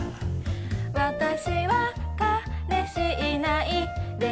私は彼氏いない歴